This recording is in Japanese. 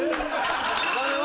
お金は？